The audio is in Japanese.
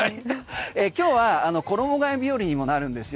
今日は衣替え日和にもなるんですよ。